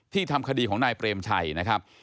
ทำคดีของนายเปรมชัยนะครับ